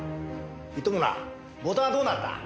糸村ボタンはどうなった？